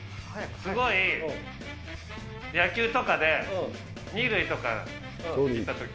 すごい、野球とかで、２塁とかに行ったとき。